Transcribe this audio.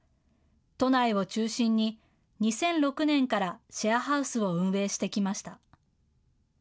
都内を中心に、２００６年からシェアハウスを運営してきました。